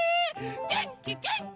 げんきげんき！